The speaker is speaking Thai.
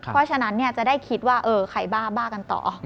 เพราะฉะนั้นจะได้คิดว่าใครบ้าบ้ากันต่อ